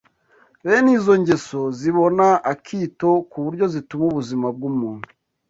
bene izo ngeso zibona akito ku buryo zituma ubuzima bw’umuntu